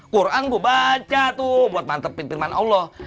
quran gue baca tuh buat mantepin firman allah